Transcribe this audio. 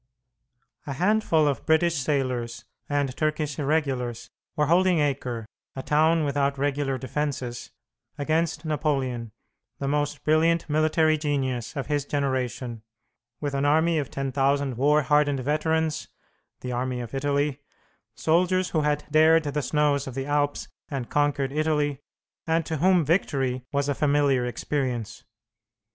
A handful of British sailors and Turkish irregulars were holding Acre, a town without regular defences, against Napoleon, the most brilliant military genius of his generation, with an army of 10,000 war hardened veterans, the "Army of Italy" soldiers who had dared the snows of the Alps and conquered Italy, and to whom victory was a familiar experience.